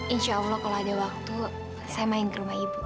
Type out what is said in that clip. insya allah kalau ada waktu saya main ke rumah ibu